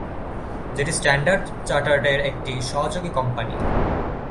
যেটি স্ট্যান্ডার্ড চার্টার্ড-এর একটি সহযোগী কোম্পানি।